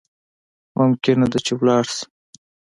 ممکنه ده چی لاړ شی